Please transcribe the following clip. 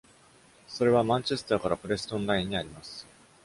それはマンチェスターからプレストンラインにあります。